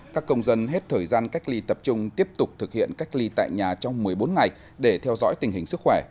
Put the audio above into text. các công dân hết thời gian cách ly tập trung tiếp tục thực hiện cách ly tại nhà trong một mươi bốn ngày để theo dõi tình hình sức khỏe